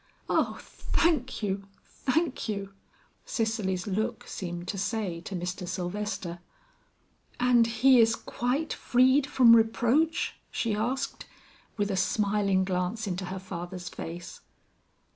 "Oh thank you, thank you!" Cicely's look seemed to say to Mr. Sylvester. "And he is quite freed from reproach?" she asked, with a smiling glance into her father's face.